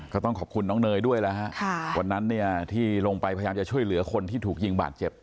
ก็ต้องขอบคุณน้องเนยด้วยแล้วฮะวันนั้นเนี่ยที่ลงไปพยายามจะช่วยเหลือคนที่ถูกยิงบาดเจ็บ